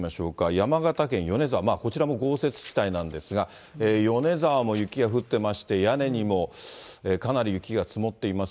山形県米沢、こちらも豪雪地帯なんですが、米沢も雪が降ってまして、屋根にもかなり雪が積もっています。